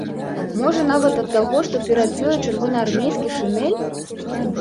Можа, нават ад таго, што перад ёю чырвонаармейскі шынель?